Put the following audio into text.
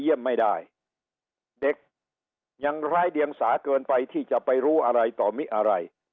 ไม่ได้เด็กยังร้ายเดียงสาเกินไปที่จะไปรู้อะไรต่อมิอะไร